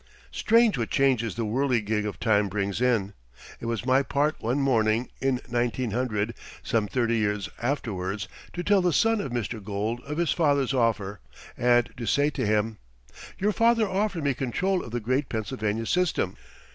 Strange what changes the whirligig of time brings in. It was my part one morning in 1900, some thirty years afterwards, to tell the son of Mr. Gould of his father's offer and to say to him: "Your father offered me control of the great Pennsylvania system.